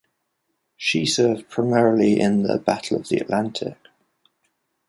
She served primarily in the Battle of the Atlantic.